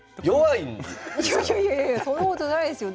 いやいやいやそんなことないですよ。